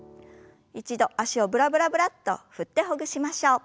一度脚をブラブラブラッと振ってほぐしましょう。